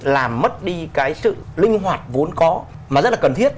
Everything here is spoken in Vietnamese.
làm mất đi cái sự linh hoạt vốn có mà rất là cần thiết